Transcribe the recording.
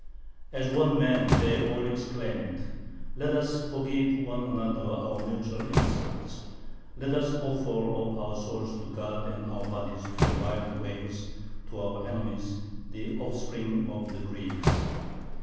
As one man they all exclaimed: "Let us forgive one another our mutual insults. Let us offer up our souls to God and our bodies to the wild waves, to our enemies, the offspring of the Greeks!"